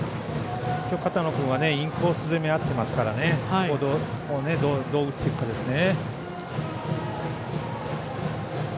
今日、片野君はインコース攻めにあってますからここを、どう打っていくかですね。